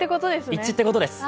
一致ってことですね。